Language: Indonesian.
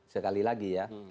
sekali lagi ya